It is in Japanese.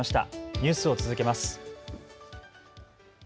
ニュースを続けます。